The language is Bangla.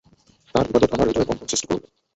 তার ইবাদত আমার হৃদয়ে কম্পন সৃষ্টি করল।